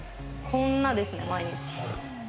こんなですね毎日。